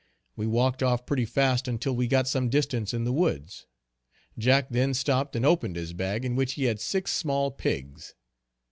We walked off pretty fast until we got some distance in the woods. Jack then stopped and opened his bag in which he had six small pigs.